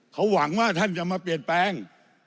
เขาหวังว่าท่านจะมาเปลี่ยนแปลง